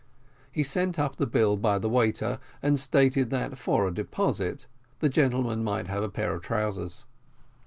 He sent up the bill by the waiter, and stated that, for a deposit, the gentleman might have a pair of trousers.